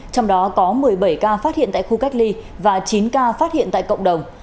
trong đó có một mươi bảy ca phát hiện tại khu cách ly và chín ca phát hiện tại cộng đồng